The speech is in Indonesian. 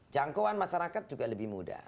jangkauan masyarakat juga lebih mudah